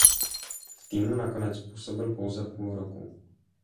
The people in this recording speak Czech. V týmu nakonec působil pouze půl roku.